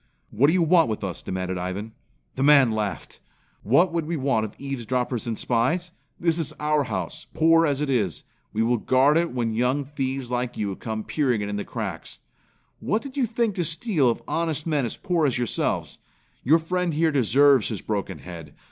"What do you want with us?" demanded Ivan. The man laughed. "What would we want of eavesdroppers and spies? This is our house, poor as it is. We will guard it when young thieves like you come peering in the cracks. What did you think to steal of honest men as poor as yourselves? Your friend here deserves his broken head.